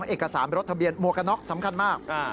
เอกสารรถทะเบียนหมวกกระน็อกสำคัญมาก